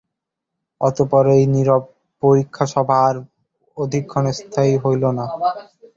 অতঃপর এই নীরব পরীক্ষাসভা আর অধিকক্ষণ স্থায়ী হইল না।